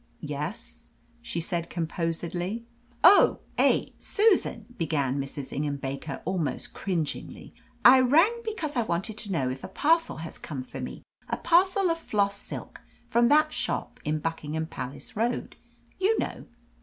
"Yes," she said composedly. "Oh eh, Susan," began Mrs. Ingham Baker almost cringingly. "I rang because I wanted to know if a parcel has come for me a parcel of floss silk from that shop in Buckingham Palace Road, you know."